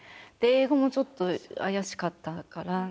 英語もちょっと怪しかったから。